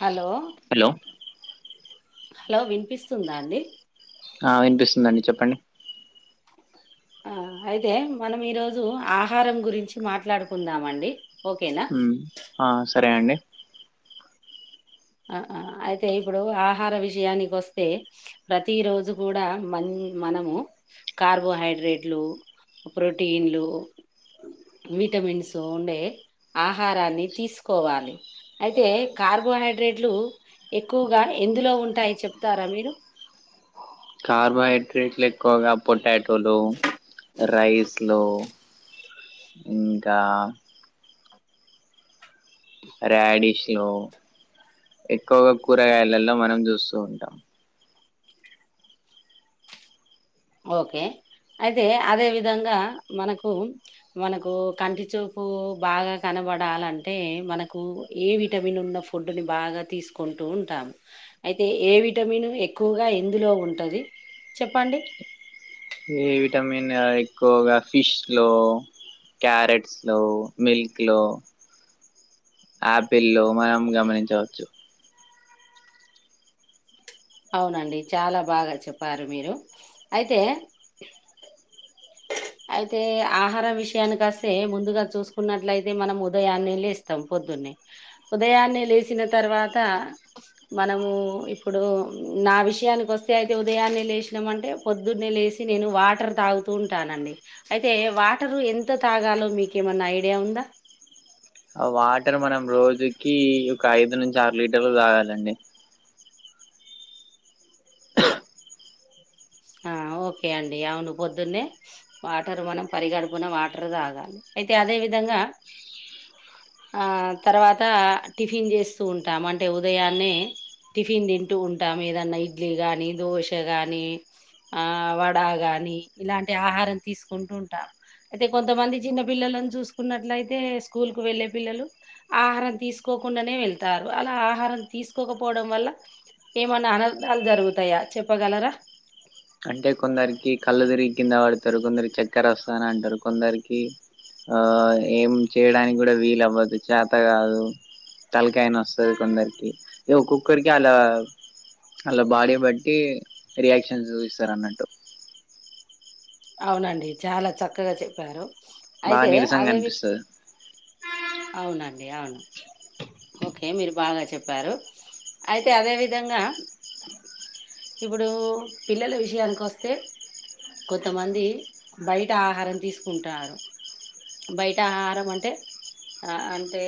Hello hello hello వినిపిస్తుందా అండి ఆ వినిపిస్తుందండి చెప్పండి ఆ అయితే మనం ఈరోజు ఆహారం గురించి మాట్లాడుకుందామ అండి ఉ ఆ సరే అండి ఆ అయితే ఇప్పుడు ఆహార విషయానికి వస్తే ప్రతి రోజు కూడా మ మనము కార్బోహైడ్రేట్లు ప్రోటీన్లు విటమిన్స్ ఉండే ఆహారాన్ని తీసుకోవాలి అయితే కార్బోహైడ్రేట్లు ఎక్కువగా ఎందులో ఉంటాయి చెప్తారా మీరు కార్బోహైడ్రేట్లు ఎక్కువగా పొటాటోలు రైస్ లో ఇంకా రాడిష్ లో ఎక్కువగా కూరగాయలలో మనం చూస్తూ ఉంటాం ఓకే అయితే అదే విధంగా మనకు మనకు కంటి చూపు బాగా కనబడాలంటే మనకు ఏ విటమిన్ ఉన్న ఫుడ్ని బాగా తీసుకుంటూ ఉంటాము అయితే ఏ విటమిన్ ఎక్కువగా ఎందులో ఉంటది చెప్పండి ఏ విటమిన్ ఎక్కువగా ఫిష్ లో క్యారెట్స్ లో మిల్క్ లో ఆపిల్ లో మనం గమనించవచ్చు అవునండి చాలా బాగా చెప్పారు మీరు అయితే అయితే ఆహారం విషయానికి వస్తే ముందుగా చూసుకున్నట్లయితే మనం ఉదయాన్నే లేస్తాం పొద్దున్నే ఉదయాన్నే లేసిన తర్వాత మనము ఇప్పుడు నా విషయానికి వస్తే అయితే ఉదయాన్నే లేశనం అంటే పొద్దున్నే లేేసి నేను వాటర్ తాగుత తాగుతుంటానండి అయితే వాటరు ఎంత తాగాలో మీకేమన్నా ఐడియా ఉందా ఆ వాటర్ మనం రోజుకి ఒక ఐదు నుంచి ఆరు లీటర్లు తాగాలండి ఆ ఓకే అండి అవును పొద్దున్నే వాటర్ మనం పరీగడుపున వాటర్ తాగాలి అయితే అదే విధంగా ఆ తర్వాత టిఫిన్ చేస్తూ ఉంటాం అంటే ఉదయాన్నే టిఫిన్ తింటూ ఉంటాము ఏదన్నా ఇడ్లీ కానీ దోశ కానీ ఆ వడా గాని ఇలాంటి ఆహారం తీసుకుంటు ఉంటాం అయితే కొంతమంది చిన్న పిల్లలను చూసుకున్నట్ల అయితే స్కూల్ కు వెళ్ళలే పిల్లలు ఆహారం తీసుకోకుండానే వెళ్తారు అలా ఆహారం తీసుకోకపోవడం వల్ల ఏమన్నా అనర్ధాలు జరుగుతాయా చెప్పగలరా అంటే కొందరికి కళ్ళు తిరిగి కింద పడతారు కొందరికి చక్కెర వస్తాన అంటారు కొందరికి ఆ ఏం చేయడానికి కూడా వీలు అవ్వద్దు చేత కాదు తలకాయ నోస్తది కొందరికి ఇ ఒక్కొక్కరికి అలా అలా బాడీ బట్టి రియాక్షన్స్ చూస్తారు అన్నట్టు అవునండి చాలా చక్కగా చెప్పారు బాగా అయితే నీరసంగా అదేమీ అనిపిస్తది అవునండి అవును ఓకే మీరు బాగా చెప్పారు అయితే అదే విధంగా ఇప్పుడు పిల్లల విషయానికి వస్తే కొంతమంది బయట ఆహారం తీసుకుంటారు బయట ఆహారం అంటే ఆ అంటే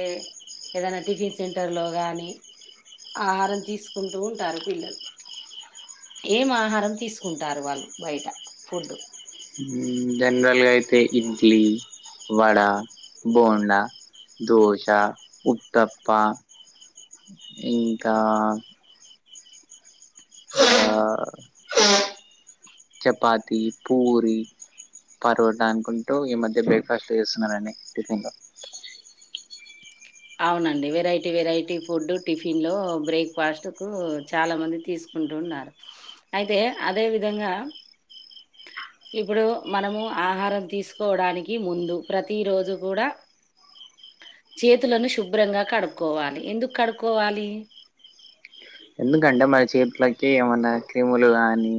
ఏదైనా టిఫిన్ సెంటర్లో గానీ ఆహారం తీసుకుంటూ ఉంటారు పిల్లలు ఏం ఆహారం తీసుకుంటారు వాళ్ళు బయట ఫుడు జనరల్గా అయితే ఇడ్లీ వడ బోండా దోశ ఉట్టప్ప ఇంకా ఆ చపాతి పూరి పరోట అనుకుంటూ ఈ మధ్య బ్రేక్ ఫాస్ట్ చేస్తున్నారండి టిఫిన్ లో అవునండి వెరైటీ వెరైటీ ఫుడ్ టిఫిన్ లో బ్రేక్ ఫాస్ట్ కు చాలా మంది తీసుకు ఉంటున్నారు అయితే అదే విధంగా ఇప్పుడు మనము ఆహారం తీసుకోవడానికి ముందు ప్రతి రోజు కూడా చేతులను శుభ్రంగా కడుక్కోవాలి ఎందుకు కడుక్కోవాలి ఎందుకంటే మన చేతులకి ఏమన్నా క్రిములు గానీ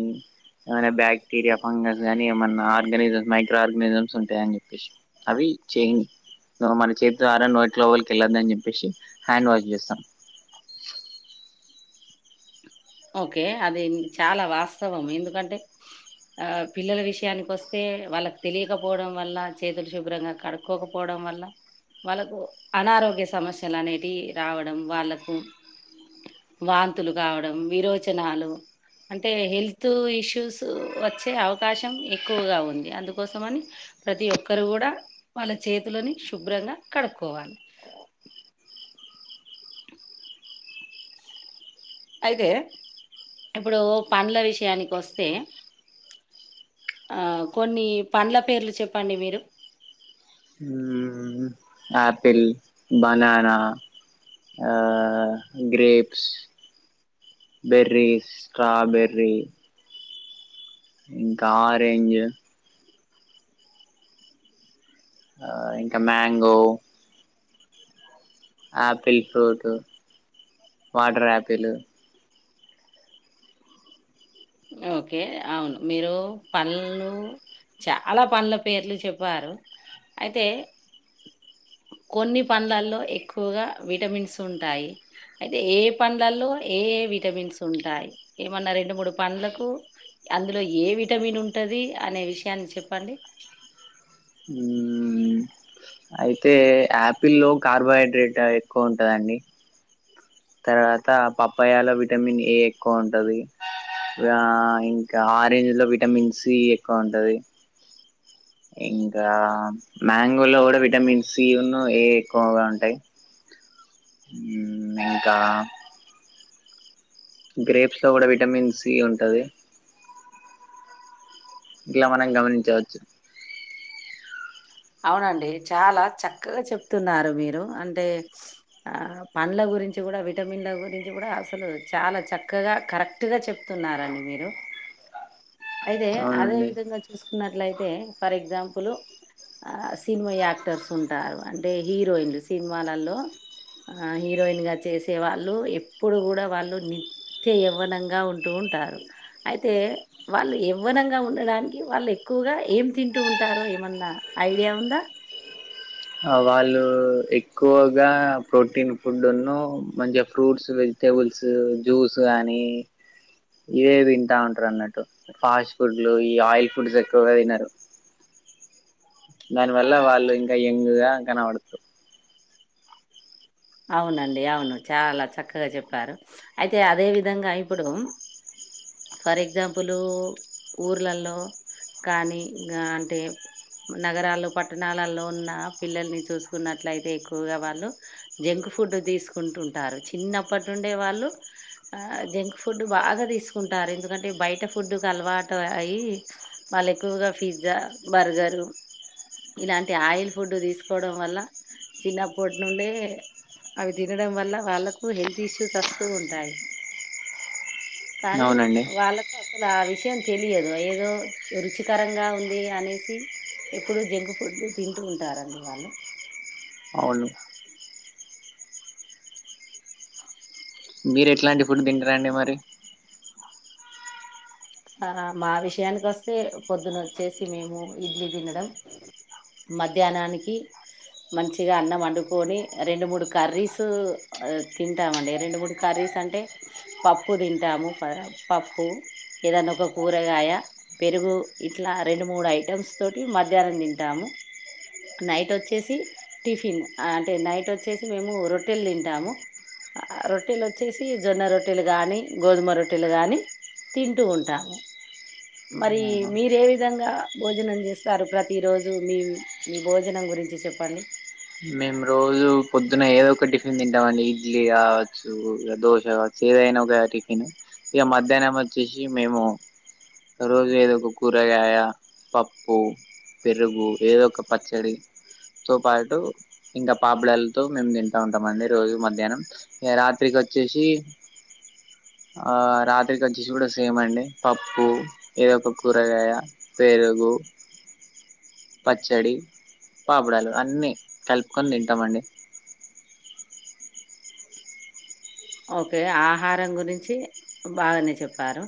ఏమైనా బ్యాక్టీరియా ఫంగస్ కానీ ఏమన్నా ఆర్గానిజంస్ మైక్రో ఆర్గనిజమ్స్ ఉంటాయ అని చెప్పేసి అవి చేయని మన చేతి ద్వారా నోటి లోవలికి వెళ్ళద్దని చెప్పేసి హ్యాండ్ వాష్ చేస్తాం ఓకే అది చాలా వాస్తవం ఎందుకంటే ఆ పిల్లల విషయానికి వస్తే వాళ్ళకి తెలియకపోవడం వల్ల చేతులు శుభ్రంగా కడు కోకపోవడం వల్ల వాళ్ళకు అనారోగ్య సమస్యలు అనేటి రావడం వాళ్ళకు వాంతులు కావడం విరోచనాలు అంటే హెల్త్ ఇష్యూస్ వచ్చే అవకాశం ఎక్కువగా ఉంది అందుకోసమని ప్రతి ఒక్కరు కూడా వాళ్ళ చేతులని శుభ్రంగా కడుక్కోవాలి అయితే ఇప్పుడు పండ్ల విషయానికి వస్తే కొన్ని పండ్ల పేర్లు చెప్పండి మీరు ఉం ఉం ఆపిల్ బనానా ఆ గ్రేప్స్ బెర్రీస్ స్ట్రాబెర్ర్రి ఇంకా ఆరెంజ్ ఆ ఇంకా mango apple fruit water apple okay అవును మీరు పళ్ళు చాలా పండ్లల పేర్లు చెప్పారు అయితే కొన్ని పండ్లల్లో ఎక్కువగా విటమిన్స్ ఉంటాయి అయితే ఏ పండ్లల్లో ఏ ఏ విటమిన్స్ ఉంటాయి ఏమన్నా రెండు మూడు పండ్లకు అందులో ఏ విటమిన్ ఉంటుది అనే విషయాన్ని చెప్పండి ఉం అయితే ఆపిల్ లో కార్బోహైడ్రేట్ ఎక్కువ ఉంటదండి తర్వాత పప్పాయలో విటమిన్ ఏ ఎక్కువ ఉంటది ఆ ఇంక ఆరేంజ్ లో విటమిన్ సి ఎక్కువ ఉంటది ఇంకా మ్యాంగో లో గుడ విటమిన్ సి ఉన్ను ఏ ఎక్కువగా ఉంటయి. ఇంకా గ్రేప్స్ లో గుడ విటమిన్ సి ఉంటది. ఇట్ల మనం గమనించవచ్చు. అవునండి చాలా చక్కగా చెప్తున్నారు మీరు, అంటే ఆ పండ్ల గురించి గుడ, విటమిన్ల గురించి గుడ అసలు చాలా చక్కగా కరెక్టుగా చెప్తున్నారండి మీరు. అయితే అదే అవునండి విధంగా చూసుకున్నట్లయితే ఫర్ ఎగ్జాంపులు ఆ సినిమా యాక్టర్స్ ఉంటారు, అంటే హీరోయిన్లు సినిమాలల్లో ఆ హీరోయిన్ గా చేసే వాళ్ళు ఎప్పుడు గుడ వాళ్ళు ని త్య యవ్వనంగా ఉంటూ ఉంటారు, అయితే వాళ్ళు యవ్వనంగా ఉండడానికి, వాళ్ళు ఎక్కువగా ఏం తింటూ ఉంటారో ఏమన్నా ఐడియా ఉందా? వాళ్ళు ఎక్కువగా ప్రోటీన్ ఫుడ్ ఉన్ను, మంచిగా ఫ్రూట్స్ వెజ్ టేబుల్స్ జ్యూస్ గానీ ఇవే తింటా ఉంటరు అన్నట్టు. ఫాస్ట్ ఫుడ్లు, ఈ ఆయిల్ ఫుడ్స్ ఎక్కువగా తినరు. దాని వల్ల వాళ్ళు ఇంకా యంగ్ గా కనబడతరు. అవునండి అవును, చాలా చక్కగా చెప్పారు. అయితే అదే విధంగా ఇప్పుడు ఫర్ ఎగ్జాంపుల్ ఊర్ళల్లో కానీ ఆ అంటే నగరాలు పట్టణాలల్లో ఉన్న పిల్లల్ని చూసుకున్నట్లయితే ఎక్కువగా వాళ్ళు జంక్ ఫుడ్ తీసుకుంటుంటారు, చిన్నప్పటి నుండే వాళ్ళు ఆ జంక్ ఫుడ్ బాగా తీసుకుంటారు, ఎందుకంటే బయట ఫుడ్కు అలవాటు అయి వాళ్లు ఎక్కువగా పిజ్జా, బర్గరు ఇలాంటి ఆయిల్ ఫుడ్ తీసుకోవడం వల్ల, చిన్నప్పటి నుండే అవి తినడం వల్ల వాళ్ళకు హెల్త్ ఇష్యూస్ అస్తూ ఉంటాయి. కానీ అవునండి వాళ్ళక్ అసలు ఆ విషయం తెలియదు, ఏదో రుచికరంగా ఉంది అనేసి ఇప్పుడు జంక్ ఫుడ్లు తింటూ ఉంటారండి వాళ్ళు. అవును మీరు ఎట్లాంటి ఫుడ్ తింటరండి మరి? ఆ మా విషయానికి వస్తే పొద్దున వచ్చేసి మేము ఇడ్లీ తినడం. మధ్యాహ్నానికి మంచిగా అన్నం వండుకోని రెండు మూడు కర్రీస్ ఆ తింటామండి, రెండు మూడు కర్రీస్ అంటే పప్పు తింటాము, ప పప్పు ఏదన్న ఒక కూరగాయ పెరుగు ఇట్లా రెండు మూడు ఐటమ్స్ తోటి మధ్యాహ్నం తింటాము. నైట్ వచ్చేసి టిఫిన్, ఆ అంటే నైట్ వచ్చేసి మేము రొట్టెలు తింటాము. ఆ రొట్టెలు వచ్చేసి జొన్న రొట్టెలు గానీ, గోధుమ రొట్టెలు గానీ తింటూ ఉంటాము. మరి ఆహా మీరు ఏ విధంగా భోజనం చేస్తారు? ప్రతి రోజు మీ మీ భోజనం గురించి చెప్పండి? మేము రోజు పొద్దున ఏదో ఒక టిఫిన్ తింటామండి, ఇడ్లీ కావచ్చు ఇగ దోశ కావచ్ సేదయిన ఒక టిఫిన్, ఇగ మధ్యాహ్నం వచ్చేసి మేము రోజు ఏదో ఒక కూరగాయ, పప్పు పెరుగు, ఏదో ఒక పచ్చడితో పాటు ఇంకా పాపుడాలతో మేము తింటా ఉంటాం అండి రోజు మధ్యాహ్నం ఇగ రాత్రికి వచ్చేసి ఆ రాత్రికి వచ్చేసి కూడా సేమ్ అండి పప్పు ఏదో ఒక కూరగాయ పెరుగు పచ్చడి పాపుడాలు అన్నీ కలుపుకొని తింటామండి ఓకే ఆహారం గురించి బాగానే చెప్పారు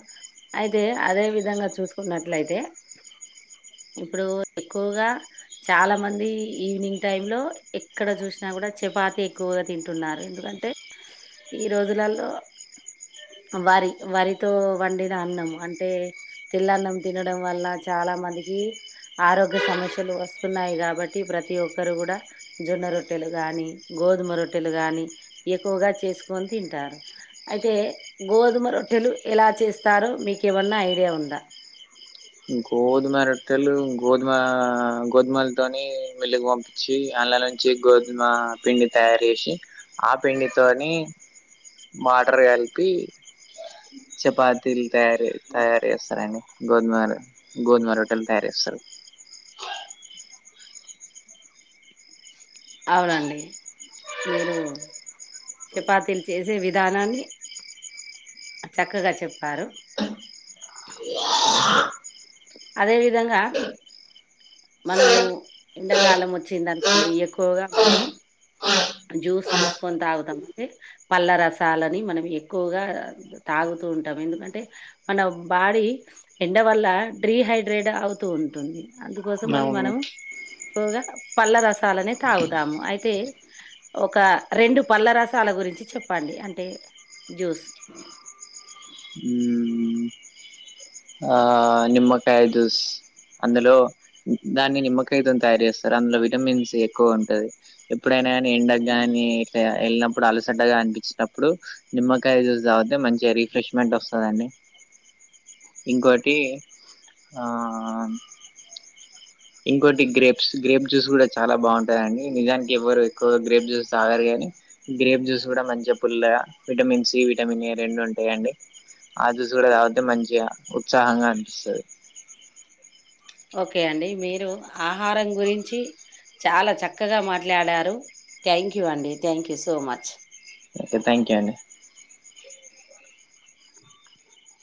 అయితే అదే విధంగా చూసుకున్నట్లయితే ఇప్పుడు ఎక్కువగా చాలా మంది ఈవినింగ్ టైమ్ లో ఎక్కడ చూసినా గూడ చపాతి ఎక్కువగా తింటున్నారు ఎందుకంటే ఈ రోజులల్లో వరి వరితో వండిన అన్నం అంటే తేల్ల అన్నం తినడం వల్ల చాలా మందికి ఆరోగ్య సమస్యలు వస్తున్నాయి కాబట్టి ప్రతి ఒక్కరు గూడ జొన్న రొట్టెలు గాని గోధుమ రొట్టెలు గాని ఎక్కువగా చేసుకొని తింటార్రూ అయితే గోధుమ రొట్టెలు ఎలా చేస్తారో మీకు ఏమన్నా ఐడియా ఉందా గోధుమ రొట్టెలు గోధుమ గోద్మాలతోని మెల్లికు పంపు చ్చి అండ్ల నుంచి గోధుమ పిండి తయారు చేసి ఆ పిండితోని మాటర్ కలిపి చపాతీలు తయారు తయారు చేస్తారండి గోధుమలు గోధమ రొట్టెలు తయారు చేస్తారు అవునా అండి మీరు చపాతీలు చేసే విధానాన్ని చక్కగా చెప్పారు అదేవిధంగా మనము ఎండాకాలం వచ్చింది అనుకోండి ఎక్కువగా మనము జ్యూస్ చేసుకొని తాగుతాం అండి పళ్ళ రసాలని మనం ఎక్కువగా తాగుతూ ఉంటాం ఎందుకంటే మన బాడీ ఎండ వల్ల డీహైడ్రేట్ అవుతూ ఉంటుంది అందుకోసం అని అవును మనము ఎక్కువగా పళ్ళ రసాలనే తాగుతాము అయితే ఒక రెండు పళ్ళ రసాల గురించి చెప్పండి అంటే జ్యూస్ ఊ ఆ నిమ్మకాయ జ్యూస్ అందులో దాన్ని నిమ్మకాయితో తయారు చేస్తారు అందులో విటమిన్ సి ఎక్కువ ఉంటది ఎప్పుడైనా కానీ ఎండకు గాని వెళ్ళినప్పుడు అలసటగా అనిపించినప్పుడు నిమ్మకాయ జ్యూస్ తాగితే మంచి రిఫ్రెష్మెంట్ వస్తదండి ఇంకోటి ఆ ఇంకోటి గ్రేప్స్ గ్రేప్ జ్యూస్ కూడా చాలా బాగుంటదండి నిజానికి ఎవరు ఎక్కువగా గ్రేప్ జ్యూస్ తాగరు గాని గ్రేబ్ జ్యూస్ కూడా మంచిగా పుల్లగా విటమిన్ సి విటమిన్ ఏ రెండు ఉంటాయండి ఆ జ్యూస్ కూడా తాగితే మంచిగా ఉత్సాహంగా అనిపిస్తది ఓకే అండి మీరు ఆహారం గురించి చాలా చక్కగా మాట్లాడారు థ్యాంక్ యూ అండి thank you so much okay thank you అండి